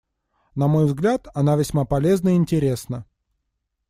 На мой взгляд, она весьма полезна и интересна.